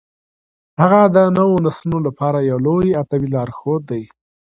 هغه د نوو نسلونو لپاره یو لوی ادبي لارښود دی.